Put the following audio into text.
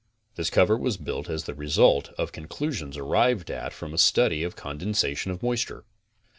This cover was built as the result of conclusions arrived at from a study of condensation of moisture.